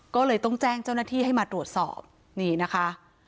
ก็เลยต้องแจ้งเจ้าหน้าที่ให้มาตรวจสอบนี่นะคะ